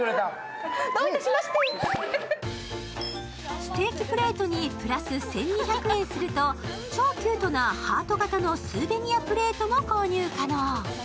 ステーキプレートにプラス１２００円すると、超キュートなハート形のスーベニアプレートも購入可能。